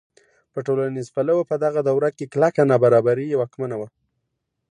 په ټولنیز پلوه په دغه دوره کې کلکه نابرابري واکمنه وه.